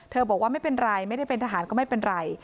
บอกว่าไม่เป็นไรไม่ได้เป็นทหารก็ไม่เป็นไร